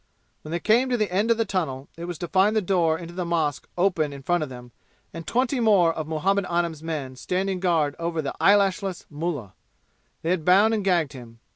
When they came to the end of the tunnel it was to find the door into the mosque open in front of them, and twenty more of Muhammad Anim's men standing guard over the eyelashless mullah. They had bound and gagged him.